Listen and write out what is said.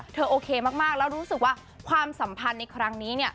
โอเคมากแล้วรู้สึกว่าความสัมพันธ์ในครั้งนี้